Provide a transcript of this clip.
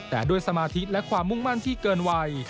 แต่ด้วยสมาธิและความมุ่งมั่นที่เกินวัย